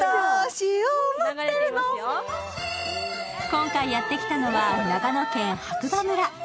今回やってきたのは長野県白馬村。